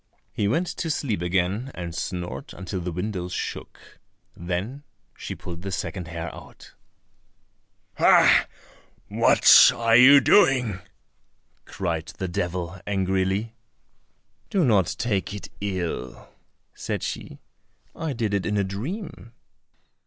He went to sleep again and snored until the windows shook. Then she pulled the second hair out. "Ha! what are you doing?" cried the devil angrily. "Do not take it ill," said she, "I did it in a dream."